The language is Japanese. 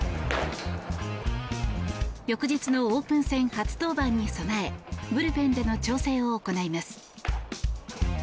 翌日のオープン戦初登板に向けブルペンでの調整を行います。